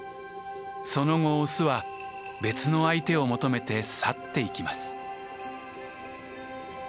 その後オスは別の相手を求めて去っていきます。